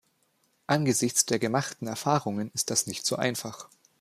Angesichts der gemachten Erfahrungen ist das nicht so einfach!